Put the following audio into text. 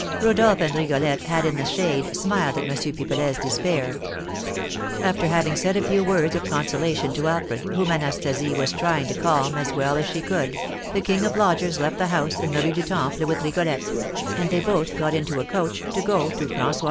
Rodolph and Rigolette had in the shade smiled at M. Pipelet's despair. After having said a few words of consolation to Alfred, whom Anastasie was trying to calm as well as she could, the king of lodgers left the house in the Rue du Temple with Rigolette, and they both got into a coach to go to François Germain's.